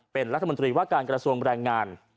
เป็นรัฐมนตรีว่าการกระทรวงแรงงาน